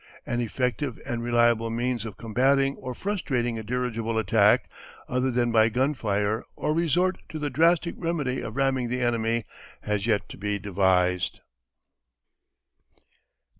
An effective and reliable means of combating or frustrating a dirigible attack, other than by gun fire or resort to the drastic remedy of ramming the enemy, has yet to be devised.